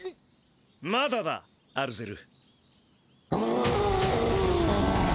まだだアルゼル。